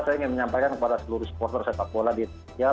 saya ingin menyampaikan kepada seluruh supporter sepakbola di dunia